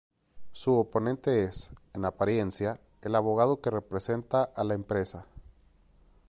Su oponente es, en apariencia, el abogado que representa a la empresa.